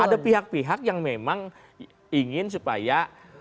ada pihak pihak yang memang ingin supaya